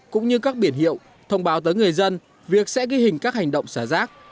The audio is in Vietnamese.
cũng như các biển hiệu thông báo tới người dân việc sẽ ghi hình các hành động xả rác